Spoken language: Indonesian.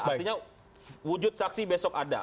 artinya wujud saksi besok ada